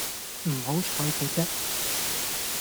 唔好採佢啫